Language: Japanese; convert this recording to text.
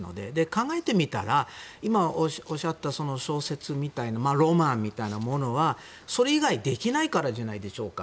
考えてみたら今、おっしゃったその小説みたいなロマンみたいなものはそれ以外、できないからじゃないでしょうか。